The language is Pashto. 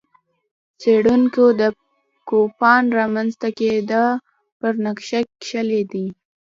څېړونکو د کوپان رامنځته کېدا پر نقشه کښلي دي.